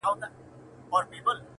څلوېښتم کال دی.